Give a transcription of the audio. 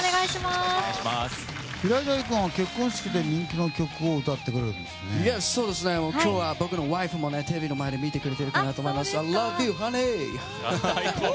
平井大君は結婚式で人気の曲を今日は僕のワイフもテレビの前で見てくれてるかなと思います。